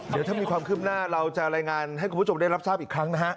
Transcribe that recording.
เดี๋ยวถ้ามีความคืบหน้าเราจะรายงานให้คุณผู้ชมได้รับทราบอีกครั้งนะฮะ